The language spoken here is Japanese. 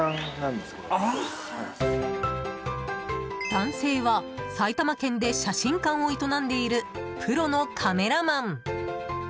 男性は埼玉県で写真館を営んでいるプロのカメラマン。